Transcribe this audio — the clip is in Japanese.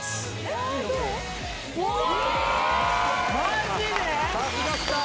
うわ！